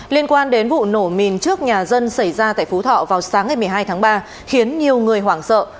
liên quan đến vụ nổ mìn trước nhà dân xảy ra tại phú thọ vào sáng ngày một mươi hai tháng ba khiến nhiều người hoảng sợ